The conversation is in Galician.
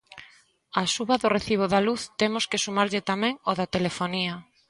Á suba do recibo da luz temos que sumarlle tamén o da telefonía.